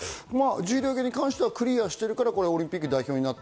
重量上げに関してはクリアしているからオリンピック代表になった。